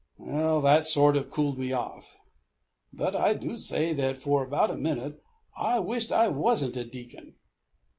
That sort o' cooled me off. But I do say that, for about a minute, I wished I wasn't a deacon.